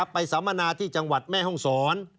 สัมมนาที่จังหวัดแม่ห้องศร